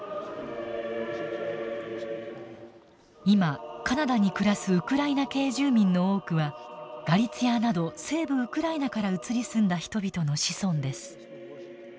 今カナダに暮らすウクライナ系住民の多くはガリツィアなど西部ウクライナから移り住んだ人々の子孫です。